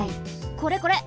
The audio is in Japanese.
これこれ！